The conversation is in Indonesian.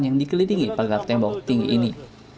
yang dikelilingi pagar tembok tinggi ini